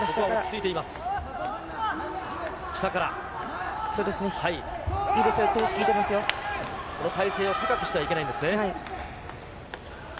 いいですよ、この体勢を高くしてはいけないんですね。